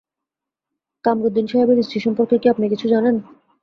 কামরুদিন সাহেবের স্ত্রী সম্পর্কে কি আপনি কিছু জানেন?